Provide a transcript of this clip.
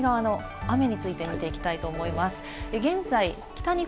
では日本海側の雨について見ていきたいと思います。